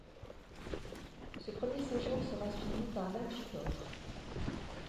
Ce premier séjour sera suivi par vingt-huit autres.